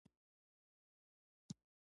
میږیان تر خپل وزن دروند بار وړي